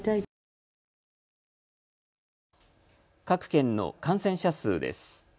各県の感染者数です。